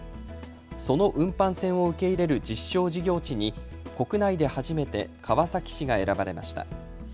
その運搬船を受け入れる実証事業地に国内で初めて川崎市が選ばれました。